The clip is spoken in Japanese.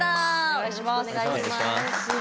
お願いします。